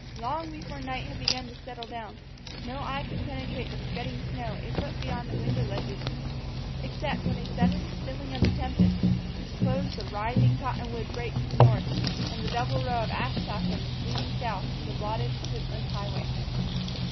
Long before night had begun to settle down, no eye could penetrate the scudding snow a foot beyond the window ledges, except when a sudden stilling of the tempest disclosed the writhing cottonwood break to the north, and the double row of ash saplings leading south to the blotted, printless highway.